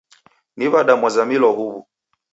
Ni w'ada mwazamilwa huwu?